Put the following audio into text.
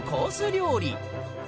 料理